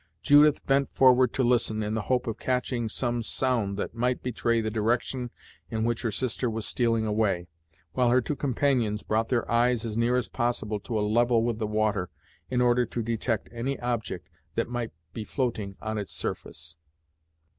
Judith bent forward to listen, in the hope of catching some sound that might betray the direction in which her sister was stealing away, while her two companions brought their eyes as near as possible to a level with the water, in order to detect any object that might be floating on its surface.